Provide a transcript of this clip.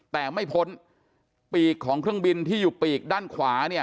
แต่ไม่พ้นปีกของเครื่องบินที่อยู่ปีกด้านขวาเนี่ย